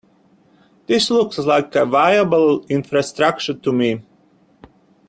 This looks like a viable infrastructure to me.